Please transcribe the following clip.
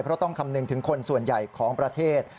เพราะต้องคำนึงถึงคนส่วนใหญ่ของประเทศ